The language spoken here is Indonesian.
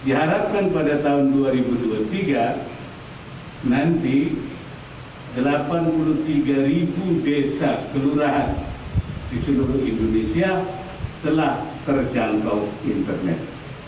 diharapkan pada tahun dua ribu dua puluh tiga nanti delapan puluh tiga ribu desa kelurahan di seluruh indonesia telah terjangkau internet